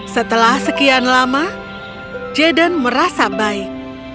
setelah sekian lama jaden merasa baik